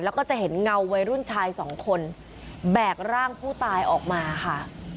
แล้วก็จะเห็นเงาวัยรุ่นชายสองคนแบกร่างผู้ตายออกมาค่ะ